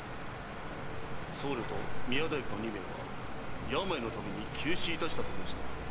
僧侶と宮大工の二名は病のために急死いたしたと申すか。